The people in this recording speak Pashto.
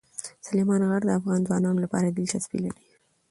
سلیمان غر د افغان ځوانانو لپاره دلچسپي لري.